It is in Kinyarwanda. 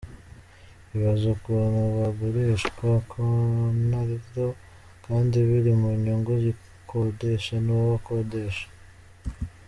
Bibaza ukuntu bagurishwa kontaro kandi biri mu nyungu y’ukodesha n’uwo akodesha.